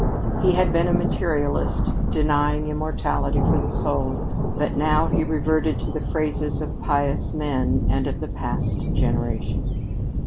He had been a materialist, denying immortality for the soul, but now he reverted to the phrases of pious men of the past generation.